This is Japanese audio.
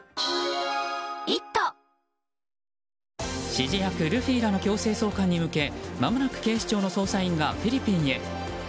指示役ルフィらの強制送還に向けまもなく警視庁の捜査員がフィリピンへ。